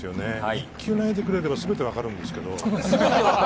１球投げてくれたら、全て分かるんですけど。